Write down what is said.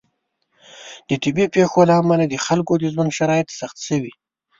د طبیعي پیښو له امله د خلکو د ژوند شرایط سخت شوي.